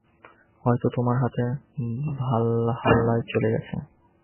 হয়তো তোমার হাত ভালহাল্লায় চলে গেছে।